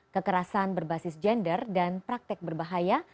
kekerasan berbasis gender dan praktek berbahaya